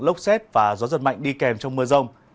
lốc xét và gió giật mạnh đi kèm trong mưa rông